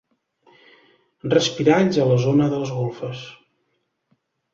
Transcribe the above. Respiralls a la zona de les golfes.